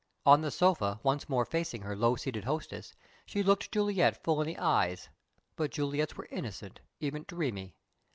On the sofa once more facing her low seated hostess, she looked Juliet full in the eyes; but Juliet's were innocent, even dreamy.